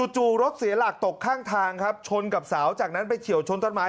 จู่รถเสียหลักตกข้างทางครับชนกับเสาจากนั้นไปเฉียวชนต้นไม้